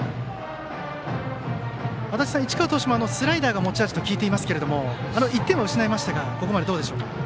足達さん、市川投手もスライダーが持ち味と聞きますが１点は失いましたがここまで、どうでしょうか？